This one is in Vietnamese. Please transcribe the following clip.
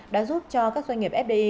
đã giúp cho các doanh nghiệp fdi